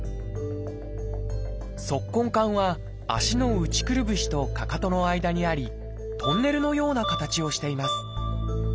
「足根管」は足の内くるぶしとかかとの間にありトンネルのような形をしています。